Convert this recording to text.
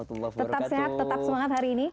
tetap sehat tetap semangat hari ini